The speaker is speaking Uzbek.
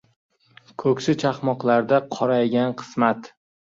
Ko‘ksi chaqmoqlarda qoraygan qismat